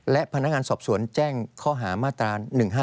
และพนักงานสอบสวนแจ้งข้อหามาตรา๑๕